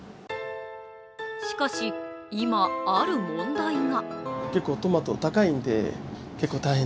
しかし今、ある問題が。